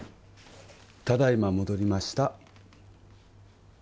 ただいま戻りました